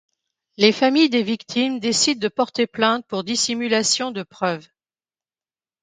Les familles des victimes décident de porter plainte pour dissimulation de preuves.